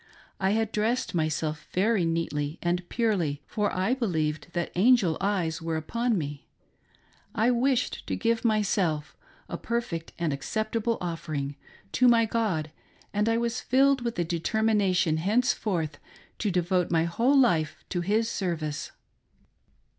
I had dressed myself very neatly and purely, for I believed that angel eyes were upon me ; I wished to give myself — a perfect and acceptable offer ing— to my God, and I was filled with the determination hence forth to devote my whole life to his service.